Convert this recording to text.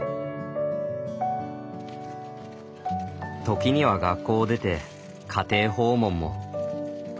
時には学校を出て家庭訪問も。